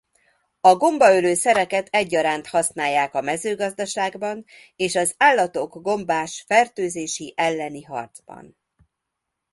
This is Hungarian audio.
A gombaölő szereket egyaránt használják a mezőgazdaságban és az állatok gombás fertőzési elleni harcban.